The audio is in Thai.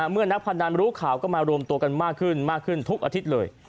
เมื่อนักพนันรู้ข่าวก็มารวมตัวกันมากขึ้นมากขึ้นทุกอาทิตย์เลย